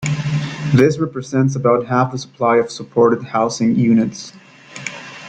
This represents about half the supply of supported housing units.